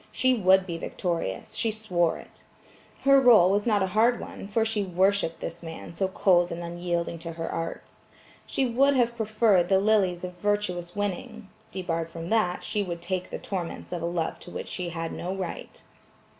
She would be victorious; she swore it. Her rôle was not a hard one for she worshipped this man so cold and unyielding to her arts. She would have preferred the lilies of virtuous winning; debarred from that she would take the torments of a love to which she had no right.